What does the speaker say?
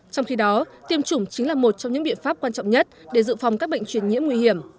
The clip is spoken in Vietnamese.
trong khi đó tiêm chủng chính là một trong những biện pháp quan trọng nhất để dự phòng các bệnh truyền nhiễm nguy hiểm